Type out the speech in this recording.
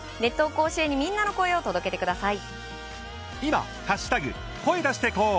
甲子園にみんなの声を届けてください。